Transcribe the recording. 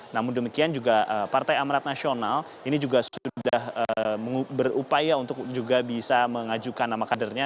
namun demikian juga partai amrat nasional ini juga sudah berupaya untuk juga bisa mengajukan nama kadernya